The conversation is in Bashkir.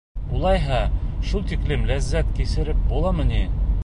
Улайһа, шул тиклем ләззәт кисереп буламы ни?!